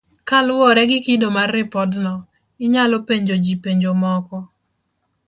Kaluwore gi kido mar ripodno, inyalo penjo ji penjo moko,